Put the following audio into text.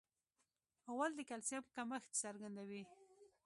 غول د کلسیم کمښت څرګندوي.